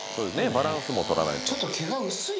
バランスも取らないと。